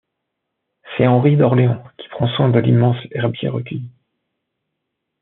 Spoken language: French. C'est Henri d'Orléans qui prend soin de l'immense herbier recueilli.